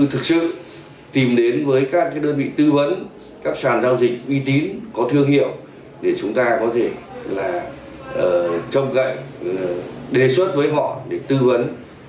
thực sự tìm đến với các đơn vị tư vấn các sản giao dịch uy tín có thương hiệu để chúng ta có thể trong cạnh đề xuất với họ để tư vấn